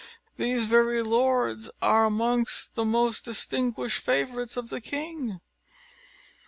These very lords are amongst the most distinguished favourites of the king."